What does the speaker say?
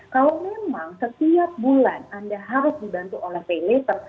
kalau memang setiap bulan anda harus dibantu oleh pay later